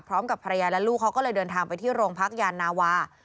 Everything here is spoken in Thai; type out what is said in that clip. พร้อมกับภรรยาและลูกเขาก็เลยเดินทางไปที่โรงพักยานาวา